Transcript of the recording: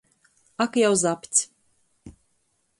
Ak jau zapts.